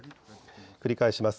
繰り返します。